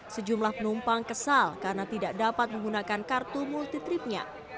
sejumlah penumpang kesal karena tidak dapat menggunakan kartu multitripnya